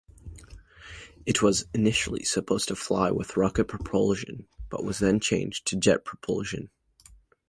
It was initially supposed to fly with rocket propulsion but was then changed to jet propulsion.